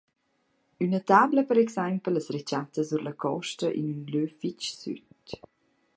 Üna tabla per exaimpel as rechatta sur la costa in ün lö fich süt.